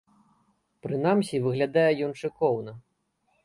Прынамсі выглядае ён шыкоўна.